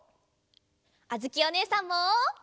あづきおねえさんも。